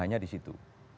itu hanya di situ